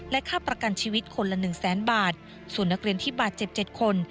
ค่าประกันชีวิตคนละหนึ่งแสนบาทส่วนนักเรียนที่บาดเจ็บ๗คน